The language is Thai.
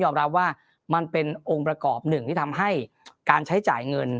รับว่ามันเป็นองค์ประกอบหนึ่งที่ทำให้การใช้จ่ายเงิน